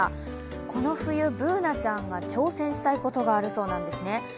この冬、Ｂｏｏｎａちゃんが挑戦したいことがあるそうなんですね。